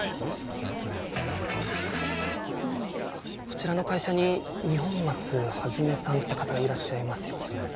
こちらの会社に二本松一さんって方いらっしゃいますよね？